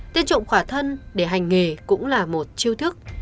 tên trộm quả thân để hành nghề cũng là một chiêu thức